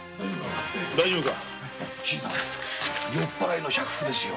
大丈夫か。